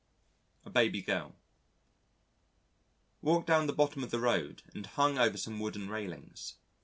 A Baby Girl Walked down the bottom of the road and hung over some wooden railings.